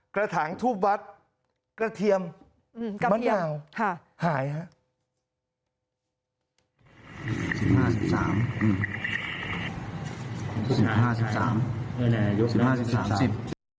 กระถางทูบวัดกระเทียมกับมะนาวหายครับ